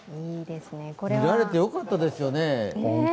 見られて良かったですよね。